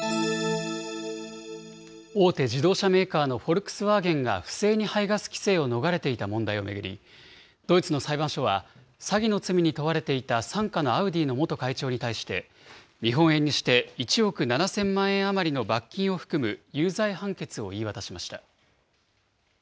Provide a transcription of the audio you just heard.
大手自動車メーカーのフォルクスワーゲンが、不正に排ガス規制を逃れていた問題を巡り、ドイツの裁判所は、詐欺の罪に問われていた傘下のアウディの元会長に対して、日本円にして１億７０００万円余りの罰金を含む有罪判決を言い渡しました。